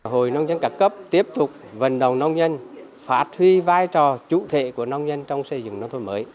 hội nông dân cả cấp tiếp tục vận động nông dân phát huy vai trò chủ thể của nông dân trong xây dựng nông thôn mới